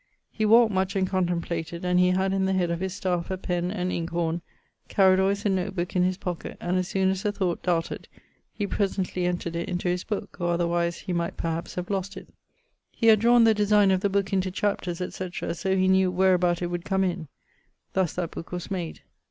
He walked much and contemplated, and he had in the head of his staffe a pen and inke horne, carried alwayes a note booke in his pocket, and as soon as a thought darted, he presently entred it into his booke, or otherwise he might perhaps have lost it. He had drawne the designe of the booke into chapters, etc. so he knew whereabout it would come in. Thus that booke was made.